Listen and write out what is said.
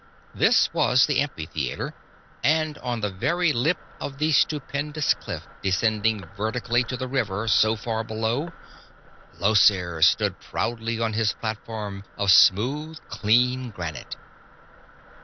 This was the Amphitheater, and on the very lip of the stupendous cliff descending vertically to the river so far below, Llosir stood proudly on his platform of smooth, clean granite.